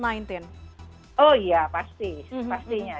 oh ya pasti pastinya